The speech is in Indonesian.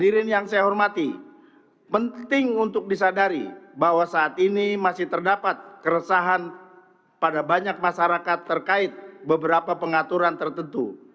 hadirin yang saya hormati penting untuk disadari bahwa saat ini masih terdapat keresahan pada banyak masyarakat terkait beberapa pengaturan tertentu